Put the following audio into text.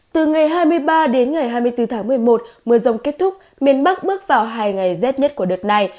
từ ngày hai mươi ba đến ngày hai mươi bốn tháng một mươi một mưa rông kết thúc miền bắc bước vào hai ngày rét nhất của đợt này